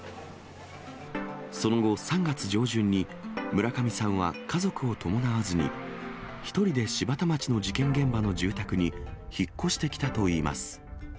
その後、３月上旬に、村上さんは家族を伴わずに、１人で柴田町の事件現場の住宅に引っ越してきたといいます。